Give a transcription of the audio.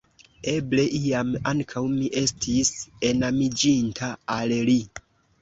Eble, iam, ankaŭ mi estis enamiĝinta al li.